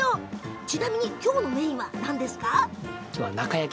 ちなみにきょうのメインは何ですか？